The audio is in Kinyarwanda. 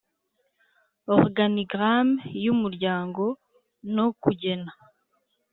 organigramme y Umuryango no kugena